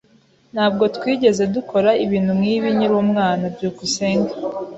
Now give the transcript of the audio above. Ntabwo twigeze dukora ibintu nkibi nkiri umwana. byukusenge